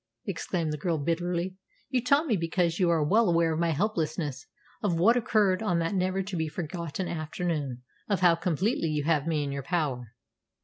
exclaimed the girl bitterly, "you taunt me because you are well aware of my helplessness of what occurred on that never to be forgotten afternoon of how completely you have me in your power!